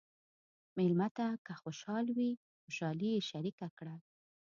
مېلمه ته که خوشحال وي، خوشالي یې شریکه کړه.